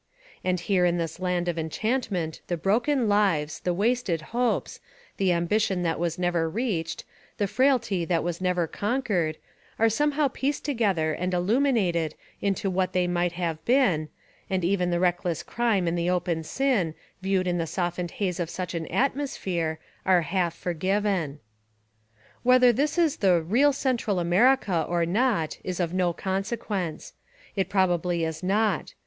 And here in this land of enchantment the broken lives, the wasted hopes, the ambition that was never reached, the frailty that was never conquered, are somehow pieced together and Illuminated into what they might have been, — and even the reckless crime and the open sin, viewed in the softened haze of such an atmosphere, are half forgiven. Whether this is the "real Central America" 241 Essays and Literary Studies or not, is of no consequence. It probably is not.